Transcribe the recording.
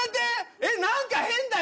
えっ何か変だよ